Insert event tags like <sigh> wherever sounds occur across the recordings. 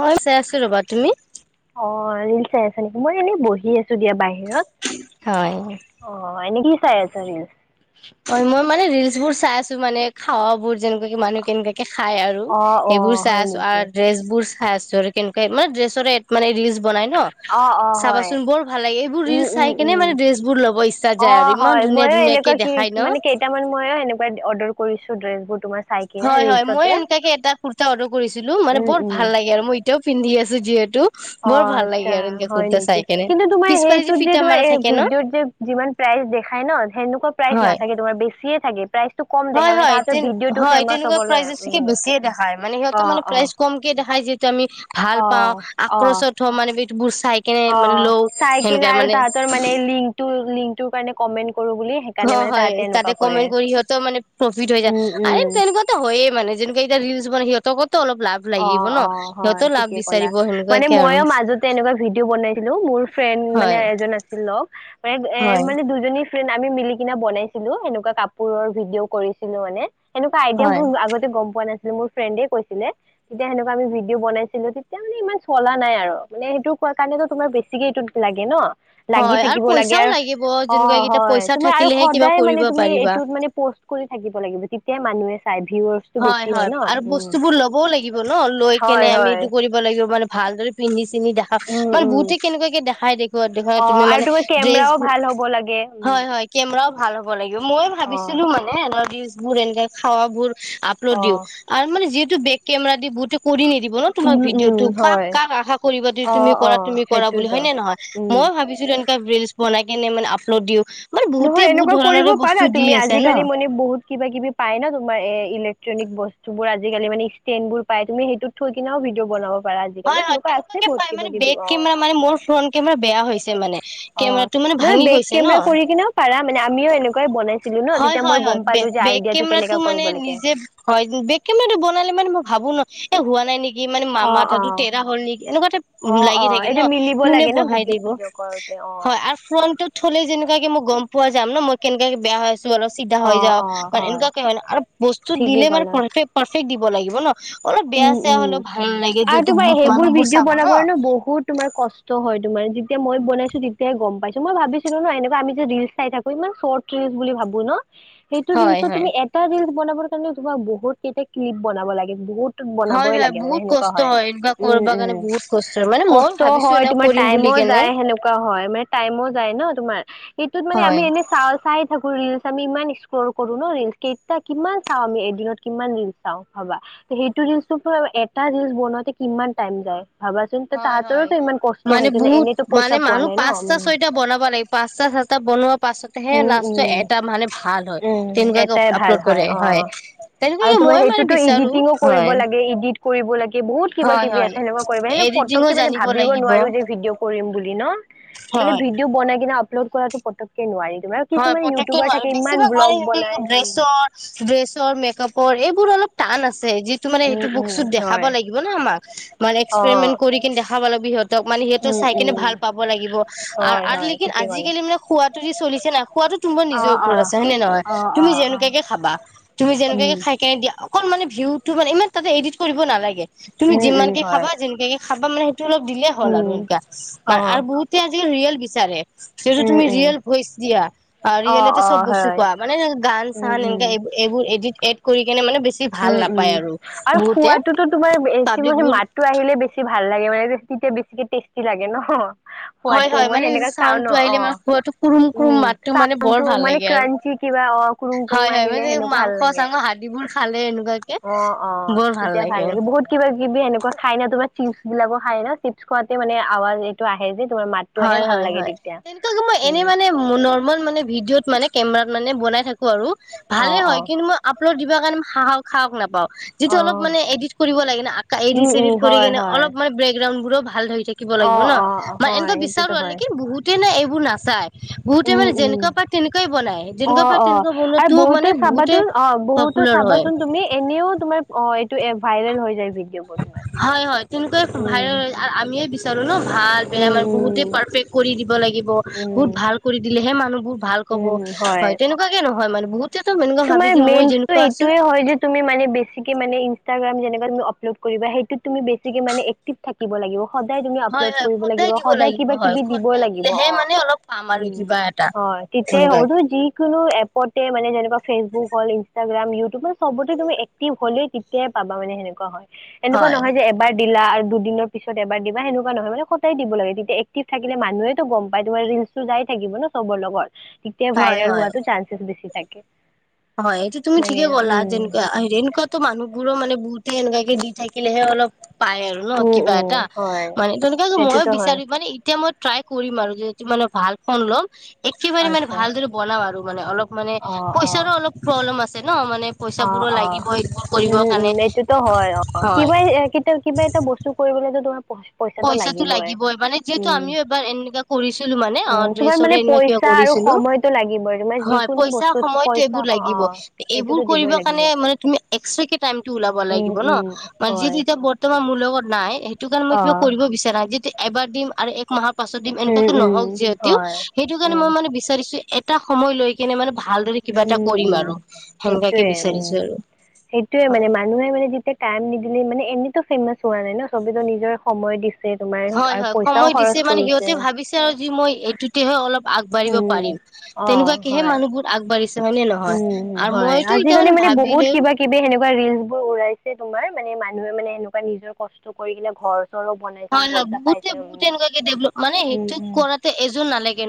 হয় চাই আছো ৰবা তুমি অ ৰিল চাই আছে নেকি মই এনেই বহি আছো দিয়া বাহিৰত হয় অ এনেকি <unintelligible> হয় মই মানে ৰিলচ বোৰ চাই আছো মানে খাৱাবোৰ যেনেকুৱাকে মানুহ কেনেকুৱাকে খাই আৰু অ অ সেইবোৰ চাই হয় আছো আৰু নেকি ড্ৰেছবোৰ চাই আছো আৰু কেনেকুৱা মানে ড্ৰেছৰে মানে ৰিলচ বনাই ন, অ অ হয় চাবাচোন বৰ ভাল লাগে এইবোৰ উম ৰিল উম চাই কেনে মানে ড্ৰেছ বোৰ ল'ব ইচ্ছা যায় আৰু ইমান এ ধুনীয়া ময়ো ধুনীয়াকে এনেকুৱা কি দেখাই ন মানে কেইটামান ময়ো এনেকুৱা অৰ্ডাৰ কৰিছো ড্ৰেছ বোৰ। হয়-হয় মই এনেকাকে এটা কুৰ্তা অৰ্ডাৰ কৰিছিলোঁ মানে উম বৰ উম ভাল লাগে আৰু মই এতিয়াও পিন্ধি আছ <unintelligible> যিহেতু অ বৰ ভাল লাগে আচ্ছা আৰু এনেকে হয় কুৰ্তা নেকি চাই কেনে কিন্তু তোমাৰ পিছফালে সেইটোত যে ফিটা তোমাৰ মাৰা থাকে ন ভিডিঅ'ত যে যিমান প্ৰায় দেখাই ন সেনেকুৱা প্ৰাইচ হয় নাথাকে তোমাৰ বেছিয়ে থাকে প্ৰাইচ হয় হয় তে হয় তেনেকুৱা হ'বলৈ প্ৰাইজছকে উম বেছিয়ে দেখায় মানে অ সিহঁতৰ মানে প্ৰাইজ অ কমক দেখায় যিহ ত' আমি ভাল অ পাওঁ অ আক্ৰচত হওঁ মানে বিদবোৰ চাই কেনে অ মানে লও চাই কিনে সেনকা মানে তাহাঁতৰ আৰু মানে লিংকটো-লিংকটো কাৰণে কমেণ্ট অ হয় তাতে কমেন্ট কৰি সিহঁতৰ মানে প্ৰফিট হৈ যায় উম আৰু উম তেনেকুৱাো হয়য়ে মানে যেনেকুৱা এতিয়া ৰিল <unintelligible> অ অ হয় ঠিকে ক'লা বিচাৰিব মানে সেনেকুৱাকে আৰু ময়ো মাজতে এনেকুৱা ভিডিঅ' বনাইছিলো মোৰ ফ্ৰেন্ড মানে হয় এজন আছিল ম এ হয় মানে দুজনি ফ্ৰেণ্ড আমি মিলি কিনা বনাইছিলো এনেকুৱা কাপোৰৰ ভিডিঅ' কৰিছিলো মানে সেনেকুৱা আইডিয়াই ভো হয় আগতে গম পোৱা নাছিলে মোৰ ফ্ৰেণ্ডে কৈছিলে তেতিয়া সেনেকুৱা আমি ভিডিঅ' বনাইছিলো তেতিয়া মানে ইমান চলা নাই আৰু মানে সেইটো কোৱা কাৰণেতটো তোমাৰ বেছিকে এই লাগে ন লাগি হয় আৰু থাকিব লাগে পইচাও আৰু লাগিব অ, যেনেকুৱা কেইটা হয় পইচা তুমি আৰু থাকিলেহে কিবা সদায় মানে কৰিব তুমি পাৰিবা এইটোত মানে পচ কলি থাকিব লাগিব তেতিয়া মানুহে ভিউৱাৰ্চটো হয় বেছি হয় ন আৰু উম। বস্তু বোৰ ল'বও লাগিব ন লৈ হয় কেনে আমি হয় এইটো কৰিব লাগিব মানে ভালদৰে পিন্ধি চিন্ধি দেখা উম মানে উম বহুতে কেনেকুৱা কে দেখা হয় অ আৰু তোমাৰ কেমেৰাও ভাল হ'ব লাগে উম <unintelligible> ভাল হ'ব লাগিব মইয় অ ভাবিছিলোঁ মানে ন ডিচ বোৰ এনকে খাৱা বোৰ আপলোড অ দিওঁ আৰু মানে যিহেতটো বেক কেমেৰা দি বহুত কৰি নিদিব ন' উম তোমাক উম ভিডিঅ'টো কাক- হয় কাক আশা কৰিবা দে অ তুমি অ কৰা -তুমি কৰা বুলি সেইটোতো হয় নে নহয় ম উম মই ভাবিছো তে এনো ৰিলচ বনাই কেনে মানে আপলোড দিওঁ নহয় এনেকুৱা কৰিব পাৰা তুমি ন আজিকালি মানে বহুত কিবা কিবি পাই না তোমাৰ <unintelligible> বস্তুবোৰ আজিকালি মানে ষ্টেনবোৰ পাই তুম সেইটোত থৈ কিনেও ভিডিঅ বনাব আজিকালি হয় হয় এনেকুৱা আছে তেনেকুৱাকে পাই বহুত মানে কিবা কিবি বেক অ কেমেৰা মানে মোৰ ফ্ৰন্ট কেমেৰা বেয়া হৈছে মানে অ কেমেৰাটো মানে নহ ভাঙি বেগ গৈছে ন কেমেৰা কৰি কিনেও পাৰা মানে আমিও এনেকুৱাই বনাইছো হয়-হয়-হয় বে-বেক কেমেৰাটো কেনেকা মানে কৰিব লাগে নিজে হয় বেক কেমেৰাটো বনালে মানে মই ভাবো ন' এ হোৱা নাই নে সি মানে ম অ মাথাটো অ তেৰা হ'ল নেকি এনেকুৱাতেটা অ', লাগি অ', থাকে এইটো ন মিলিব কোনে লাগে ন' বহাই ভিডিঅ' দিব চিডিঅ' কৰোতে অ'। হয় আৰু ফোনটো থলে যেনেকাকে মই গম পোৱা যাম ন মই কেনেকাকে বেয়া হৈ আছ অলপ চিধা হৈ অ', যাও অ', মান এনেকুৱাকে হয় ন আৰু বস্তু ঠিকেই দিলে মানে ক'লা প পাৰফেক্ট দিব লাগিব ন অলপ বেয়া উম চেয়া উম হলেও ভাল লাগে আৰু তোমাৰ সেইবোৰ ভিডিঅ' বনাব ন বহুত তোমাৰ কষ্ট হয়। তে যেতিয়া মই বনাইছো তেতিয়াই গম পাইছো মই ভিছিলো ন এনেকুৱা আমি যে ৰিল চাই থাকো ইমান শৰ্ট ৰিলচ বুলি ভাবো ন সেইটো হয় ৰিলচত হয় তুমি এটা ৰিলচ বনাবৰ কাৰণে তোমাক বহুত কেইটা ক্লিপ বনাব লাগে। বহুত বনাব হয় হয় লাগে মানে বহুত সনেকুৱা কষ্ট হয় এনেকুৱা উম কৰিব উ কাৰণে বহুত কষ্ট হয় মানে মই কষ্ট ভাবিছো হয় এনে তোমাৰ কৰিম বুলি টাইমত কেনে সনেুৱা হয় মানে টাইম যায় ন তোমাৰ সটোত মানে আমি হয় এনে চ চাই থাক ৰিলচ আমি ইমান এক্সপ্লৰ কৰো ন ৰিলচ কেইটা কিমান চাওঁ আমি এদিনত কিমান ৰিলচ চাওঁ ভাবা সেই ৰিলচৰ এটা ৰিলচ বনাওঁতে কিমান টাইম যায় ভাবাচোন হয় হয় তাহাঁতৰোতো ইমান কষ্ট মানে হৈছে ন বহুত এনেতো মানে পইচা পোৱা মানুহ নাই ন উম পাঁচটা ছয়ত বনাব লাগে পাঁচটা এটা বনোৱা পাছতেহে লাষ্ট উম এটা মানে ভাল হয় উম তেনেকুৱাকে এটাই ভাল আপলোড কৰে হয় অ আৰু তেনেকুৱাকে তোমাৰ মই মানে সেইটোতো বিচাৰো এডিটিঙ কৰিব হয় লাগে ইডিট কৰিব লাগে বহুত কিবা হয় কিবি হয় আছে সেনেকুৱা কৰিবা সেনেক এডিটিঙো পতকে মানে জানিব ভাবিব লাগিব নোৱাৰো যে ভিডিঅ' কৰিম বুলি ন হয় মানে ভিডিঅ বাই কিনে আপলোড কৰাটো পতকে নোৱাৰি তোমাৰ আৰু হয় কিছুমানে প্ৰত্ককে ইউটিউবাৰ নোৱাৰ থাকে ইমান বেছিভাগ মানে ব্লগ স বনাই উম ড্ৰেছৰ ড্ৰেছৰ মেকআপ অ এইবোৰ অলপ টান আছে যিটো মানে সেইটো বুক উম চুত উম দেখাব হয় লাগিব ন আমাক মানে অ এক্সপেৰিমেট কৰি কি দেখাব লাগিব সিহঁতক মানে সেইটো উম চাই উম কিনি ভাল পাব লাগিব, হয় আৰু হয় লেকিন ঠিকেই আজি ক'লা কালি মানে খোৱাটো পিছে চলিছে নাই খোৱাতো তোমাৰ অ নিজৰ অ ওপৰত আছে হৈনে নহয়, অ তুমি অ হয় যেনেকুৱাকে খাবা, তুমি উম যেনেকুৱাকে খাই কেনে দিয়া অকল মানে ভিউটো মানে ইমান তাতে এডিট কৰিব নালাগে, তুমি উম উম যিমানকে হয় খাবা যেনেকাকে খাবা মানে অলপ দিলেই হ'ল উম আৰু অ সা আৰু বহুতে আজিকালি ৰিয়েল বিচাৰে যিহেতু উম তুমি উম ৰিয়েল দিয়া অ ৰিয়েল অ চব বস্তু হয় খোৱা মানে গান উম চান উম এনেকা এইব এইবোৰ এডট এড কৰি কিনে মানে বেছি ভাল উম উম নাপায় আৰু আৰু বহুতে খোৱাাতটোতো তোমাৰ পাব্লিক মানে বোৰ মাতো আহিলে বেছি ভাল ভাল লাগে মানে তেতিয়া বেছিকে টেষ্টি লাগে ন হয় খোৱাতটো হয় মই মানে সেনেকা চাও চাউণ্ডটো ন অ আহিলে মানে খোৱাটো কুৰুম কুৰুম উম মাতটো চা মানে বৰ ভাল মানে লাগে আৰু ক্ৰাঞ্চি কিবা অ কুম হয় কুম হয় আহিলে মানে সেনেকুৱা ভাল মাংস লাগে চাংস হাদিবোৰ খালে এনেকুৱাকে অ অ তেতিয়া ভাল লাগে বহুত কিবা কিবি এনেকুৱা খাই ন তোমাৰ চিপছ বিলাকো খায় নহ, চিপছ খোৱাতে মানে আৱাজ এইটো আহে যে তোমাৰ মাতটো আহে হয় ভাল হয় লাগে হয়, তেতিয়া কিন্তু তোমাৰ এনে উম মানে নৰ্মেল মানে ভিডিঅত মানে কেমেৰাত মানে বনাই থাকো আৰু অ ভালে অ হয় কিন্তু মই আপলোড দিব কাৰণে খাহক খাহক নাপাওঁ যিটো অ অলপ মানে এডিট কৰিব লাগে ন উম উম এডড কৰি হয় কেনে হয় অলপ মানে বেকগ্ৰাউণ্ড বোৰো ভাল ধৰি থাকিব অ লাগিব ন অ মানে হয় এনেকুৱা বিচাৰো সেইটোতো নে হয় কি বহুতে নে এইবোৰ নাচায় বহুতে উম মানে উম যেনেকুৱা পাত, তেনেকুৱাই বনাই অ যেনেকুৱা পাত অ তেনেকুৱা বনোৱাটো মানে বহুতে টো পপুলাৰ হয় চাবাচোন তুমি এনেও তোমাৰ অ এইটো ভাইৰেল হৈ যায় ভ হয় হয়, কিন্তু এই ভাইৰে ৰে আমিয়ে বিচাৰো নহ ভাল বেয়াৰ উম আমাৰ বহুতে উম পাৰফেক কৰি দি কৰিব লাগিব, বহুত উম ভাল কৰি দিলেহে মানুহবোৰ ভাল কব, হয় তেনেকুৱাকে নহয় মানে বহুতেতো এনেকুৱা ভাবে তোমাৰ যে মই মেইন যেনেকুৱা আছো এইটোয়ে হয় যে তুমি মানে বেছিকে মানে ইনষ্টাগ্ৰাম যেকুৱ তুমি আপলোড কৰিবা সেইটো তমি বেছিকে মানে এক্টভ থাকিব লাগিব সদায় তুমি হয় আপলড হয় কৰিব লাগিব, দিব সদায় লাগিব কিবা হয় কিবি দিবই সদায় লাগিব। দিলেহে অ, মানে অলপ পাম উ, আৰু কিবা এটা অ তেতিয়াই হ'বতো সেনেকুৱাকে যিকোনো এপতে মানে যেনেকুৱা ফেচবুক হল, ইনষ্টাগ্ৰাম ইউটিউবত চবতে তুমি এক্টিভ হলে, তেয়াই পাবা মানে সেনেুৱা হয়। এনেকুৱা হয় নহয় যে এবাৰ দিলা আৰু দুদিনৰ পিছত এবাৰ দা সেনেকুৱা নয় মানে সদায় দিব লাগে তেতিয়া এক্টিভ থাকে মানুহেটো গম পায় তোমাৰ থাকিব ন চবৰ লগত তে হয় ভাইল হয় হোৱাটো চানেছ বেছি থাকে হয় এইটো তুমি মানে ঠিকে ক'লা উম যেনেকুৱা এনেকুৱাতো মানুহবোৰো মানে বহুত গ এনেকাই কেে দি থাকিলেহে অলপ পাই আৰু ন উম কিবা উম এটা হয় মানে তেনেকুৱা ময়ো সেইটোতো হয় বিচাৰো মানে এতিয়া মই ট্ৰাই কৰিম আৰু যিহেতু মানে ভাল ফোন লম একেবাৰে মানে আচ্ছা ভালদৰে বনাও আৰু মানে অলপ মানে অ অ পইচাৰো অলপ প্ৰব্লেম আছে <inaudible> পইচা অ বোৰো অ লাগিব স <inaudible> উম, উম এইটোতো হয় অ কিবাইতিয়া কিবা এটা বস্তু কৰিবলৈ তোমাৰ পইচ- পইচাটো পইছাটো লাগিবই মানে যিহেতু উম আমিও এবাৰ এনেকুৱা কৰিছিলোঁ মানে অ, উম তোমাৰ ড্ৰেছৰে মানে এনেকুৱা কিবা পইচা আৰু কৰিছো সময়টো লাগিবই তোমাৰ হয় যিকোনো পইচা বস্তুত সময়তো পইচা এইবোৰ স- অ লাগিব এইবোৰ সেইটোতো কৰিব দিবই লাগিব কাৰণে মানে তুমি এক্সট্ৰা কে টাইমটো ওলাব উম লাগিব উম ন' মানে হয় যিহেতু এতিয়া বৰ্তমান মোৰ লগত নাই সেইটো কাৰণে মই অ কিবা কৰিব বিচাৰা নাই যেতিয়া এবাৰ দিম আৰু এক মাহৰ পাছত দিম উম এনেকুৱাকে উম নহওক যিহেতও হয় সেইটো কাৰণে উম মই মানে বিচাৰিছো এটা সময় লৈ কেনে মানে ভালদৰে কিবা এটা উম কৰিম উম আৰু সেনেকাকে সেইটোয়ে উম বিচাৰিছো আৰু সেইটোয়ে মানে হয় মানুহে মানে যেতিয়া টাইম নিদিলে মানে এনে টো ফেমাচ হোৱা নাই ন ছবিতো নিজৰে সময় দি হয়, হয় সময় দিছে মানে সিহঁতে ভাবিছে আৰু মই এইটোতেহ অলপ আগবাঢ়িব উম পাৰিম অ তেনেকুৱাকেহে হয় মানুহ বহুত আগবাঢ়িছে। হয় নে নহয় উম, আৰু হয় মইতো এতিয়া আজিকালি মানে বহুত ভাবিলেও কিবা কিবি সেনেকুৱা ৰিলচ বোৰ উলাইছে তোমাৰ মানে ম মানুহে মানে এনেকুৱা নিজৰ কষ্ট কৰি কিনে ঘৰ চৰো বনাইছে হয়, ন পইচা বহুতে পাইছে বহুত এনেকুৱাকে ডেভলপ মানে সেইটো কৰাটো এযোৰ নালাগে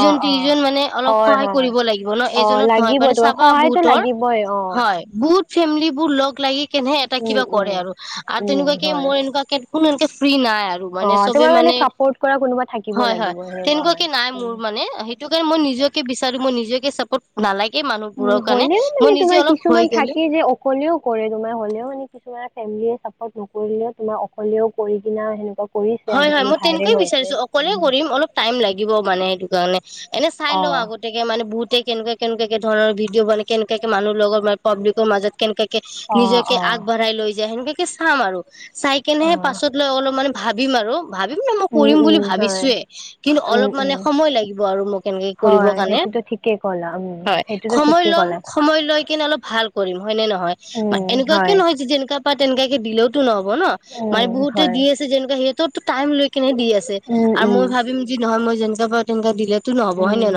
অঁ অঁ তিনিজন মানে অলপ হয় সহায় হয় কৰিব লাগিব ন' অঁ এজনত নহয় লাগিব মানে তোমাৰ চাবা সহায়তো বুতৰ লাগিবই অঁ হয় বত <inaudible> ফেমিলী বোৰ লগ লাগি কেনেহে এটা কিবা কৰে আৰু- আৰু তেনেকুৱাকে হয় মইএনেকুৱা কে কোনো এনকে ফ্ৰী নাই আৰু মানে অঁ চবে তোমাৰ মানে ছাপৰ্ট কৰা কোনোবা <unintelligible> থাকিব হয়, হয় লাগিব সেনেকুৱা হয় তেনেকুৱাকে নাই উম মোৰ মানে সেইটো কাৰণে মই নিজকে, বিচাৰো মই নিজকে <unintelligible> ক'ত নালাগে উম, মানুহবোৰৰ কাৰণে হ'লেও মানে মই নিজে তোমাৰ অলপ কিছুমান হৈ গলে থাকে যে অকলেও কৰে তোমাৰ হ'লেও মানে কিছুমান ফেমলিয়ে চাপৰ্ট নকৰিলেও তোমাৰ অকলেও কৰি কিনা আ সেনেকোৱা হয়-হয় মই তেনেকুৱাই বিচাৰিছো অকলেই কৰিম অলপ টাইম লাগিব মানে সেইটো কাৰণে এনে চাই লোৱা অ', আগতিয়াকে মানে বহুতে কেনেকুৱাকে কেনেকুৱাকে কে ধৰণৰ ভিডিঅ বনায় কেনেকুৱাকে মানুহ লগৰ মানে পাবলিকৰ মাজত কেনেকুৱা অ', নিজকে অ', আগবঢ়াই লৈ যায় সেনেকাকে চাম আৰু চাই কেনেহে অ', পাছত লৈ অলপ মানে বিমাৰো ভাবিম ন মই উম, কৰিম বুলি উম, হয়, ভাবিছোয়ে কিন্তু উম, অলপ মানে উম। সময় লাগিব আৰু মোক এনেকে কৰিব হয়, কাৰণে সেইটোতো ঠিকেই ক'লা উম, হয়, সেইটোতো সময় ঠিকেই লম ক'লা সময় লৈ কিনে অলপ ভাল কৰিম হয়নে নহয় উম, এনেকুৱাক কেে হয়। নহয় যেনেককা পা তেনেকাকে দিলেওতো নহব ন মানে উম, বহুতে হয়, দি আছে যেনেকুৱা সিহঁত তো টাইম লৈ কেনে দি আছে উম, আৰু মই উম। ভাবিলোঁ যে নহয় মই যেনেকা পাওঁ তেনকে দিলে উম,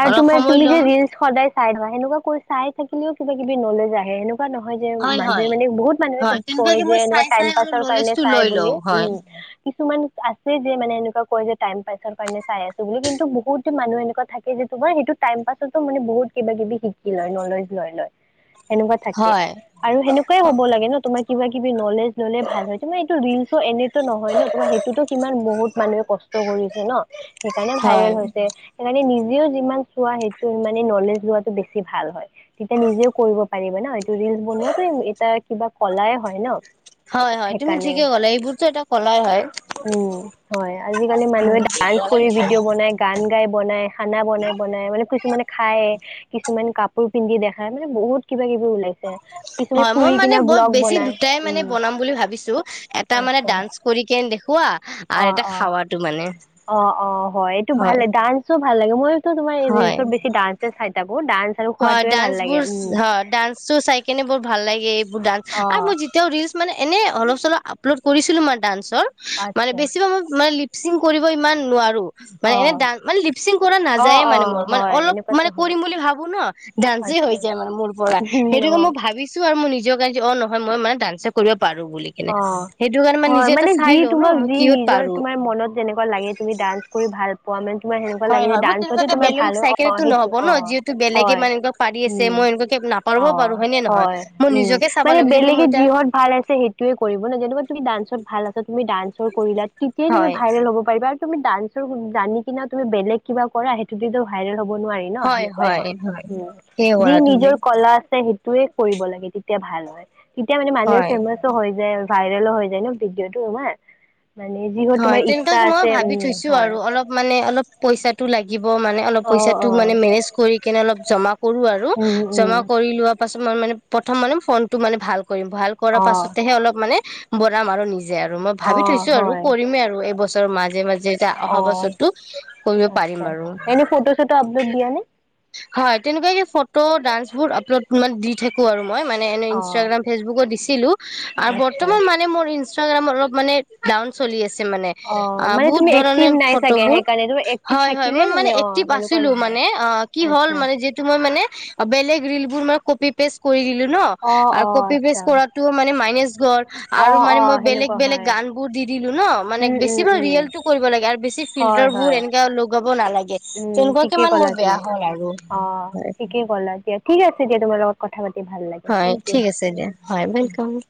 আৰু তোমাৰ তুমি যে ৰিলচ সদায় চাই থোৱা সেনেকুৱা কৈ চাই থাকিলেও কিবা <unintelligible> কিবি নলেজ আহেনে এনেুৱা নহয় যে হয় মানুহে হয় মানে বহুত মানুহে হয় কয় তেনেকুৱাকে যে মই এনেকুৱা চাই টাইম চাই অলপ পাছৰ কাৰণে নলেজটো চাই লৈ বুলি লওঁ হয় উম কিছুমান আছে যে মানে এনেকুৱা কয় যে টাইম পাছৰ কাৰণে চাই আছো বুলি কিন্তু বহুত মানুহ এনেকুৱা থাকে যিটো মই সেইটো টাইম পাছতো মানে বহুত কিবা কিবি শিকি লয় নলেজ লৈ লয় সেনেকুৱা থাকে হয় আৰু সেনেকুৱাই হ'ব লাগে ন তোমাৰ কিবা কিবি নলেজ ল'লে ভাল হয় হৈছে মানে এইটো ৰিলচো এনে টো নহয় ন তোমাৰ সেইটোতো সিমান বহুত মানুহে কষ্ট কৰিছে ন সেইকাৰণে হয় ভাইৰেল হৈছে সেইকাৰণে নিজেও যিমান চোৱা সেইটো নলেজ লোৱাটো বেছি ভাল হয় তেতিয়া নিজেও কৰিব পাৰিবা ন এইটো ৰিলচ বনোৱা এটা কিবা কলাই হয় ন হয় হয় তুমি সেইকাৰণে ঠিকে ক'লা এইবোৰতো এটা কলাই হয় উম, হয় আজিকালি মানুহে হয় ডান্স কৰি ভিডিঅ' বনাই গান গাই <unintelligible> বনাই খানা বনাই বনাই মানে কিছুমানে খাই কিছুমানে কাপোৰ পিন্ধি দেখায় মানে বহুত কিবা কিবি ওলাইছে কিছুমানে হয় মই ফুৰি মানে কিনা বৰ ব্লগ বেছি বনাই দুটাই মানে উম বনাম বুলি ভাবিছোঁ এটা মানে দ আচ্ছা <inaudible> অ', অ', অ', অ', হয় এইটো ভাল লে ডান্সো ভাল লাগে মই তোমাৰ এই হয় ৰিলছত বেছি ডাইচ চাই থাক হয় ডান্স বোৰ হয় ডান্সো চাই কেনে বৰ ভাল লাগে অ আৰু মই যেতিয়াও ৰিলচ মানে এনে অলপ চলপ আপলোড কৰিছিলো মই ডান্স মানে আচ্ছা বেছি মই মানে লিপচিং কৰিব ইমান নোৱাৰো মানে অ এনে মানে লিপচিং কৰা অ নাযায়ে অ মানে মোৰ মানে হয় অলপ এনেকুৱাতো মানে হয় কৰিম বুলি ভাব ন ডানস আচ্ছা হৈ যায় মানে মোৰ পৰা উম, সেইটোোকে অ মই ভাবিছো আৰু মই নিজক অ', নহ মই মানে ডান্স কৰিব পাৰো বুলি কেনে অ' সেইটো কাৰণে হয় নিজে এটা মানে চাই যি লও ন তোমাক মই যি কিহত নিজৰ পাৰো তোমাৰ মনত যেনেকুৱা লাগে তুমি ডান্স কৰি ভাল পোৱা মানে তোমাৰ সেনেকুৱা হয় লাগে যে হয় মই ডান্সতে তেনেকুৱাকে তোমাৰ বেলেগক ভাল চাই হয় কেনেতো অ নহ'ব সেইটো ন অ যিহেতু বেলেগে হয় মানে এনেকুৱা পাৰি আছে উম মই এনেকুৱাকে নাপাৰিব অ পাৰো নে নহয় হয় মই উম নিজকে চাব মানে লাগিব যেনেকে বেলেগে মই এতিয়া যিহত ভাল আছে সেইটো তোৱ কৰিব ন যেনেকুৱা তুমি ডান্সত ভাল আছ তুমি ডান্সৰ কৰিলা তেতিয়াই তুমি হয় ভাইৰেল হ'ব পাৰা তুমি ডান্সৰ জানি কি তুমি বেলেগ কিবা কৰা সেইটো ভাইৰেল হয় হয় হয় ঠিকে যি ক'লা তুমি নিজৰ কলা আছে তয়ে কৰিব লাগে তেতিয়া ভাল হয় তেতিয়া মানে মানুহে হয় ফেমাচ ভাইৰেলো হৈ যায় ন ভিডিঅ'টো ন হয় তেনেকুৱাক কি মই ভাবি থৈছো হয় আৰু অলপ মানে অলপ পইচাটো লাগে লাগিব মানে অলপ অ পইচাটো অ মানে মেনেজ কৰি কেনে অলপ জমা কৰো আৰু উম উম জমা কৰি লোৱা পাছত মই মানে প্ৰথম মানে ফোন টো মানে ভাল। কৰিম ভাল কৰ অ পাছতেহে অলপ মানে বৰাম আৰু নিজে আৰু মই অ ভাবি থৈছো আৰু হয় কৰিমেই আৰু এইবছৰৰ মাজে, মাজে এতিয়া অহা অ বছৰটো কৰিব আচ্ছা, পাৰিম আৰু এনে ফটো-চটো আপলোড দিয়া নে? হয় তেনেকুৱা কি ফটো ডান্সবোৰ আপলোড মান দি থাকো আৰু মই মানে এনেই অ', ইনষ্টাগ্ৰাম ফেচবুকো দিছিলো আৰু আচ্ছা। বৰ্তমান মানে মোৰ ইষ্ট্ৰাগ্ৰাম অলপ মানে কামচলি আছে আছে মানে অ', মানে বহুত তুমি ধৰনে এক্টিভ নাই চাগে ফটোবোৰ সেইকাৰণে, তুমি এক্টিভ থাকিলে মই মানে মে- এক্টিভ অ', সেনেকুৱা আছিলোঁ নহয়। মানে অ কি হল আচ্ছা, যিটো মই মানে বেলেগ ৰিল মই কপি পেছ কৰি দিলো ন অ', আৰু অ', কপি পেছ আচ্ছা। কৰাটো মানে মাইনেছ গল আৰু অ', মানে মই অ', বেলেগ সেনেকুৱা বেলেগ হয়। গান বোৰ দি ন দিলো মানে উম, বেছি উম, উম, ৰিয়েলটো কৰিব লাগে আৰু বেছি হয়, ফিল্টাৰ বোৰ হয়। এনে লগাব নালাগে উম, তেনেকুৱা ঠিকেই কিমান মোৰ ক'লা বেয়া তুমি। হল আৰু অ হয় ঠিকে কলা দিয়া ঠিক আছে দিয়া তোমাৰ লগত কথা পাতি ভাল লাগিল, হয়, থেংক ইউ। ঠিক আছে দিয়া হয় ৱেলক